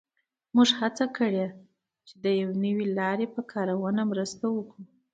موږ هڅه کړې چې د یوې نوې لارې په کارونه مرسته وکړو